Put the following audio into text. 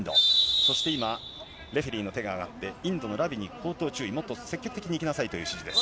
そして今、レフェリーの手が挙がって、インドのラビに口頭注意、もっと積極的にいきなさいという指示です。